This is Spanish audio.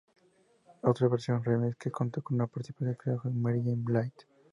Otra versión remix que contó con una participación especial fue con Mary J. Blige.